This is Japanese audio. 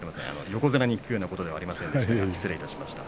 横綱に聞くようなことではありませんでした。